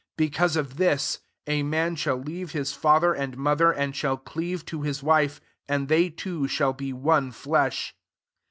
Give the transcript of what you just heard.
]] 31 " Because of this, a man shall leave liis father and mother, and shall cleave to his w^ and they two shall be one flesh."